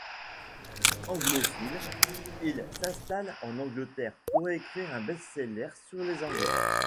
Anglophile, il s'installe en Angleterre pour écrire un best-seller sur les Anglais.